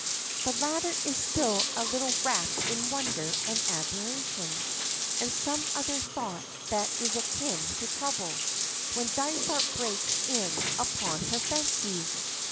The latter is still a little wrapt in wonder and admiration, and some other thought that is akin to trouble, when Dysart breaks in upon her fancies.